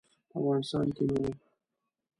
په افغانستان کې نه وو.